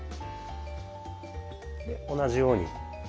で同じように。